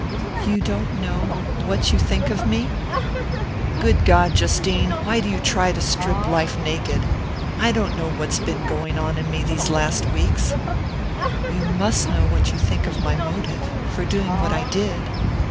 "You don't know...what you think of me?" "Good God, Justine, why do you try to strip life naked? I don't know what's been going on in me these last weeks " "You must know what you think of my motive...for doing what I did."